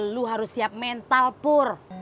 lu harus siap mental pur